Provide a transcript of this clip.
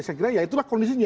saya kira ya itulah kondisinya